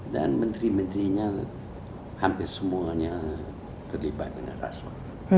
dan menteri menterinya hampir semuanya terlibat dengan rasuah